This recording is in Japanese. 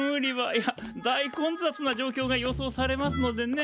いや大混雑な状況が予想されますのでね